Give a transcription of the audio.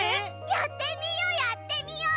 やってみよやってみよ！